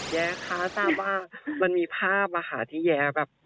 แย้ค๊าทราบว่ามันมีภาพที่แย้